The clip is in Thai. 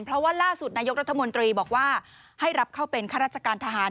เพราะว่าล่าสุดนายกรัฐมนตรีบอกว่าให้รับเข้าเป็นข้าราชการทหาร